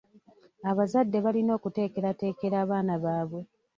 Abazadde balina okuteekerateekera abaana baabwe.